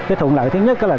cái thuận lợi thứ nhất là